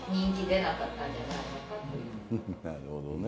なるほどね。